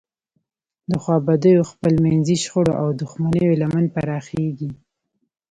د خوابدیو، خپلمنځي شخړو او دښمنیو لمن پراخیږي.